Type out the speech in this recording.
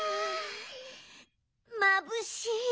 まぶしい。